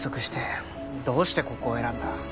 どうしてここを選んだ？